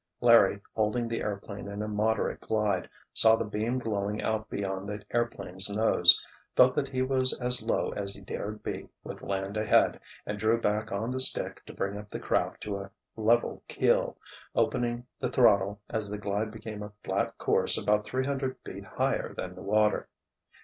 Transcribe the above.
Larry, holding the airplane in a moderate glide, saw the beam glowing out beyond the airplane's nose, felt that he was as low as he dared be with land ahead, and drew back on the stick to bring up the craft to a level keel, opening the throttle as the glide became a flat course about three hundred feet higher than the water.